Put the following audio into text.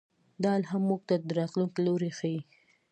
دا الهام موږ ته د راتلونکي لوری ښيي.